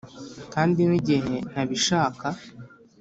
kandi nigihe ntabishaka.